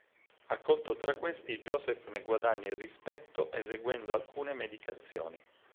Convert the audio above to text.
Accolto tra questi, Joseph ne guadagna il rispetto eseguendo alcune medicazioni.